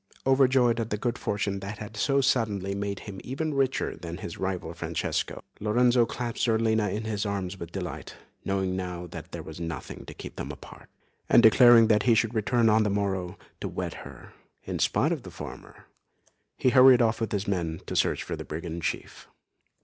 Overjoyed at the good fortune that had so suddenly made him even richer than his rival Francesco, Lorenzo clasped Zerlina in his arms with delight, knowing now that there was nothing to keep them apart; and declaring that he should return on the morrow to wed her, in spite of the farmer, he hurried off with his men to search for the brigand chief.